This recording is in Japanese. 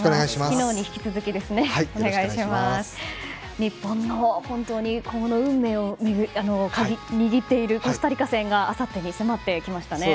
日本の本当に運命の鍵を握っているコスタリカ戦があさってに迫ってきましたね。